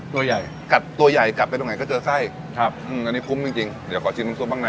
ตัวใหญ่กัดตัวใหญ่กัดไปตรงไหนก็เจอไส้ครับอืมอันนี้คุ้มจริงจริงเดี๋ยวขอชิมน้ำซุปบ้างนะ